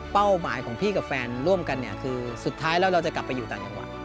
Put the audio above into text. หมายของพี่กับแฟนร่วมกันเนี่ยคือสุดท้ายแล้วเราจะกลับไปอยู่ต่างจังหวัด